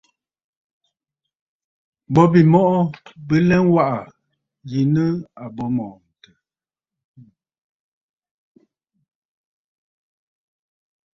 Bo bî mɔꞌɔ bɨ lɛtsù waꞌà yi nɨ̂ àbo mɔ̀ɔ̀ntə̀.